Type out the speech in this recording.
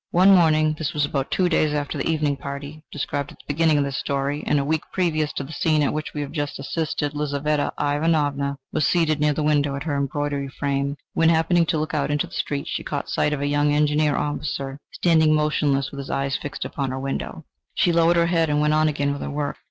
One morning this was about two days after the evening party described at the beginning of this story, and a week previous to the scene at which we have just assisted Lizaveta Ivanovna was seated near the window at her embroidery frame, when, happening to look out into the street, she caught sight of a young Engineer officer, standing motionless with his eyes fixed upon her window. She lowered her head and went on again with her work.